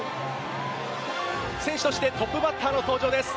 選手としてトップバッターの登場です。